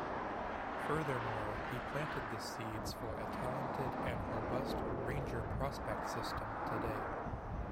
Furthermore, he planted the seeds for a talented and robust Ranger prospect system today.